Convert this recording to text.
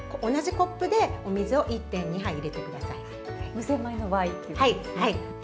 無洗米の場合っていうことですね。